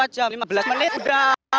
dua jam lima belas menit udah